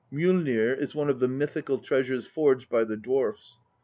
Mjollnir is one of the mythical treasures forged by the dwarfs.